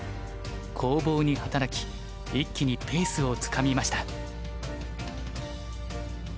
攻防に働き一気にペースをつかみました。